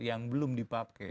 yang belum dipakai